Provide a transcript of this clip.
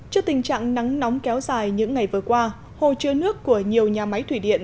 trước tình trạng nắng nóng kéo dài những ngày vừa qua hồ chứa nước của nhiều nhà máy thủy điện